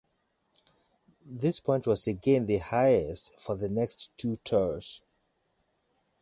This point was again the highest for the next two Tours.